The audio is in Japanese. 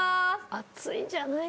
熱いんじゃない？